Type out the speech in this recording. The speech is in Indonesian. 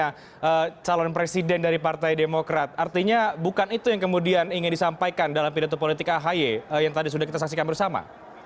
bagaimana calon presiden dari partai demokrat artinya bukan itu yang kemudian ingin disampaikan dalam pidato politik ahy yang tadi sudah kita saksikan bersama